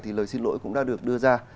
thì lời xin lỗi cũng đã được đưa ra